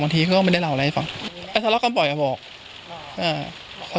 บางทีเขาไม่ได้เล่าอะไรฟังแต่ทะเลาะกันบ่อยก็บอกอ่าเขา